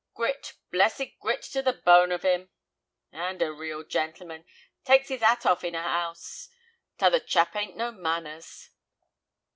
"Grit, blessed grit to the bone of 'im." "And a real gentleman. Takes 'is 'at off in a 'ouse. T'other chap 'ain't no manners."